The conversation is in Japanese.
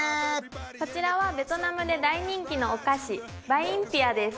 こちらはベトナムで大人気のお菓子バインピアです